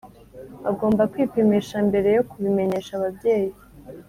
bagomba kwipimisha mbere yo kubimenyesha ababyeyi.